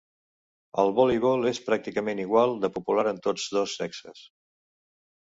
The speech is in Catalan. El voleibol és pràcticament igual de popular en tots dos sexes.